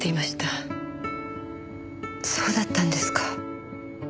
そうだったんですか。